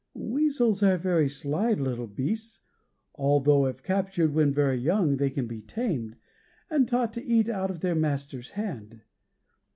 Weasels are very sly little beasts, although if captured when very young they can be tamed, and taught to eat out of their master's hand.